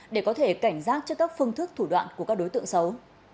để có thể cảnh giác trước các phương thức thủ đoạn của các đối tượng xấu